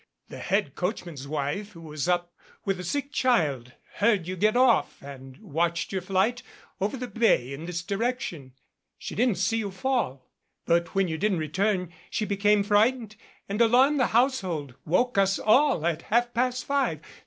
The head coach man's wife who was up with a sick child heard you get off and watched your flight over the bay in this direction. She didn't see you fall. But when you didn't return she became frightened and alarmed the household woke us all at half past five.